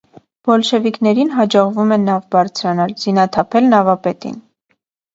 Բոլշևիկներին հաջողվում է նավ բարձրանալ, զինաթափել նավապետին։